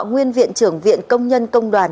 nguyên viện trưởng viện công nhân công đoàn